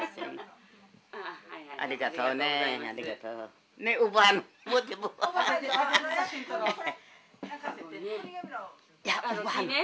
ありがとうね。